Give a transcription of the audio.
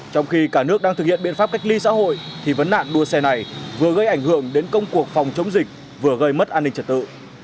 trong khi cả nước đang thực hiện biện pháp cách ly xã hội thì vấn nạn đua xe này vừa gây ảnh hưởng đến công cuộc phòng chống dịch vừa gây mất an ninh trật tự